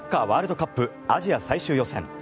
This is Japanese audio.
ワールドカップアジア最終予選。